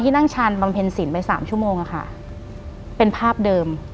หลังจากนั้นเราไม่ได้คุยกันนะคะเดินเข้าบ้านอืม